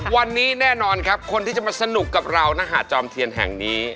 วันนี้แน่นอนครับคนที่จะมาสนุกกับเราณหาดจอมเทียนแห่งนี้